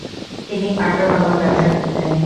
তিনি পাট ও লবণ ব্যবসা করতেন।